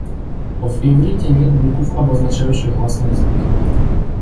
В иврите нет букв, обозначающих гласные звуки.